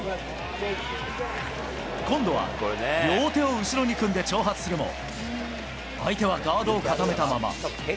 今度は両手を後ろに組んで挑発するも、相手はガードを固めたまま。